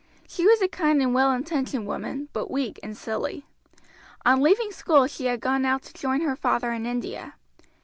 She was a kindly and well intentioned woman, but weak and silly. On leaving school she had gone out to join her father in India.